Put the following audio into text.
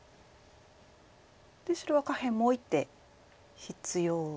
白は下辺もう１手必要？